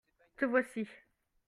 te voici.